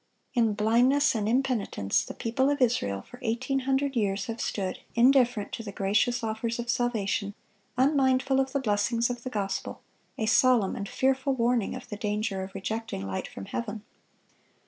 In blindness and impenitence, the people of Israel for eighteen hundred years have stood, indifferent to the gracious offers of salvation, unmindful of the blessings of the gospel, a solemn and fearful warning of the danger of rejecting light from heaven.